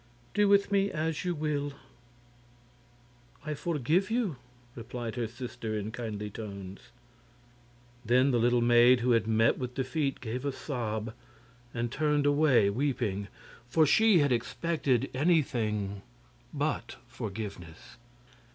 Do with me as you will." "I forgive you," replied her sister, in kindly tones. Then the little maid who had met with defeat gave a sob and turned away weeping, for she had expected anything but forgiveness.